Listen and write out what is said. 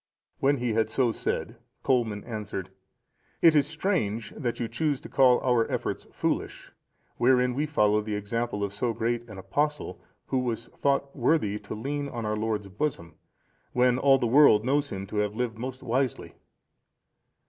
When he had so said, Colman answered, "It is strange that you choose to call our efforts foolish, wherein we follow the example of so great an Apostle, who was thought worthy to lean on our Lord's bosom, when all the world knows him to have lived most wisely."